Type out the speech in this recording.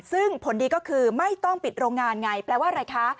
ซึ่งผลดีก็คือไม่ต้องปิดโรงงานไงแปลว่าอะไรคะ